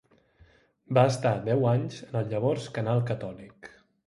Va estar deu anys en el llavors canal catòlic.